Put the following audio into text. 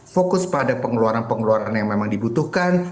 fokus pada pengeluaran pengeluaran yang memang dibutuhkan